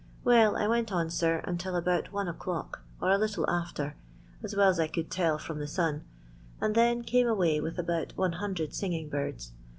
Well, I went on, sir, until about one o'clock, or a little after, as well ai I could tell fiftna the sun, and then came away with about 100 singing birds.